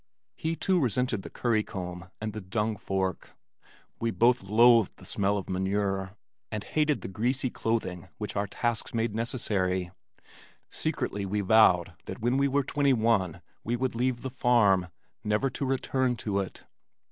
He too resented the curry comb and the dung fork. We both loathed the smell of manure and hated the greasy clothing which our tasks made necessary. Secretly we vowed that when we were twenty one we would leave the farm, never to return to it.